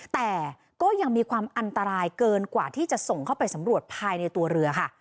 แต่ก็ยังมีความอันตรายเกินกว่าที่จะส่งเข้าไปสำรวจภายในตัวเรือค่ะ